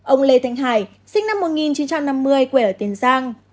ông lê thanh hải sinh năm một nghìn chín trăm năm mươi quê ở tiền giang